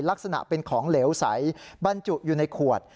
ลักษณะเป็นของเหลวใสบรรจุอยู่ในขวด